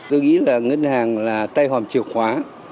tôi nghĩ là ngân hàng là tay hòm chìa khóa